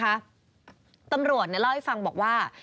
และตำรวจเล่าให้ฟังว่า